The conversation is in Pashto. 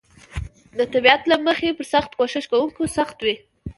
د طبیعت له مخې پر سخت کوښښ کونکو سخت وي.